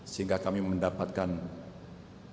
sehingga kami mendapatkan pelajaran